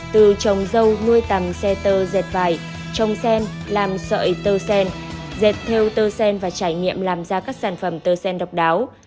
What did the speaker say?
từ trồng dâu nuôi tầm xe tơ dệt vải trồng sen làm sợi tơ sen dệt theo tơ sen và trải nghiệm làm ra các sản phẩm tơ sen độc đáo